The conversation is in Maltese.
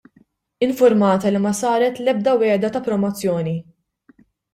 Infurmata li ma saret l-ebda wiegħda ta' promozzjoni.